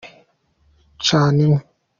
cana inkwi.